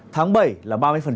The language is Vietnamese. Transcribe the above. tháng bảy là ba mươi